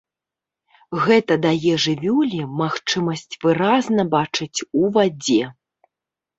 Гэта дае жывёле магчымасць выразна бачыць у вадзе.